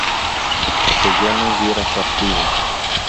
que yo no hubiera partido